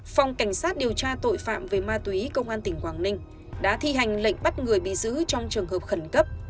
phòng cảnh sát điều tra tội phạm về ma túy công an tỉnh quảng ninh đã thi hành lệnh bắt người bị giữ trong trường hợp khẩn cấp